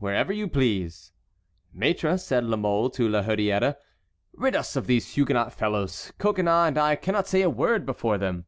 "Wherever you please." "Maître," said La Mole to La Hurière, "rid us of these Huguenot fellows. Coconnas and I cannot say a word before them."